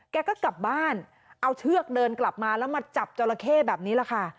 แกก็กลับบ้านเอาเชือกเดินกลับมาแล้วมาจับจราเข้แบบนี้แหละค่ะ